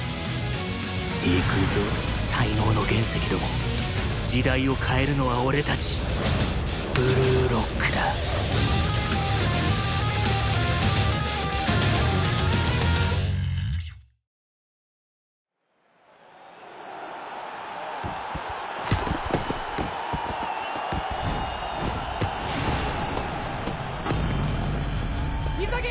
「いくぞ才能の原石ども」「時代を変えるのは俺たちブルーロックだ」潔！